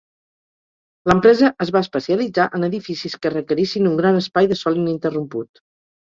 L'empresa es va especialitzar en edificis que requerissin un gran espai de sòl ininterromput.